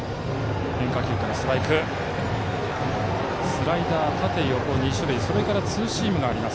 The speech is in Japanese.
スライダー、縦横２種類それからツーシームがあります。